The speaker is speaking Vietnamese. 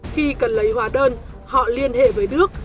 khi cần lấy hóa đơn họ liên hệ với đức